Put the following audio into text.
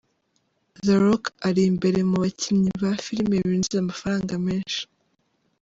The Rock ari imbere mu bakinnyi ba filime binjiza amafaranga menshi.